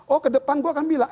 oh kedepan gue akan bilang